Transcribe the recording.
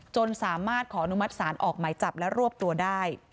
จนสามารถขออนุมัติศาลออกหมายจับและรวบตัวได้